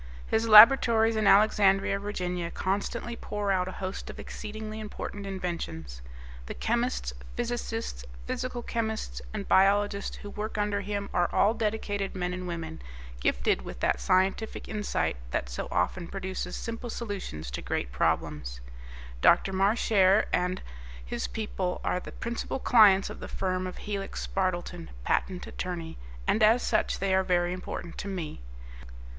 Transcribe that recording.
His laboratories in Alexandria, Virginia, constantly pour out a host of exceedingly important inventions. The chemists, physicists, physical chemists, and biologists who work under him are all dedicated men and women, gifted with that scientific insight that so often produces simple solutions to great problems. Dr. Marchare and his people are the principal clients of the firm of Helix Spardleton, Patent Attorney, and as such they are very important to me.